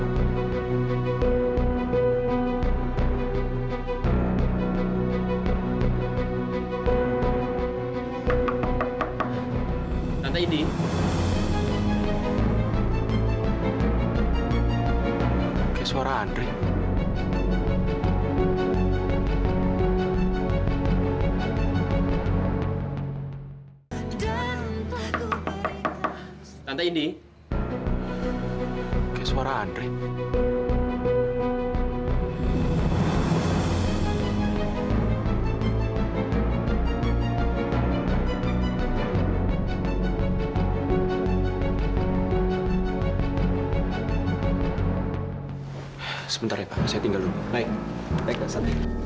sampai jumpa di video selanjutnya